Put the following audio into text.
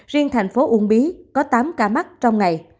riêng thành phố uông bí có tám ca mắc trong ngày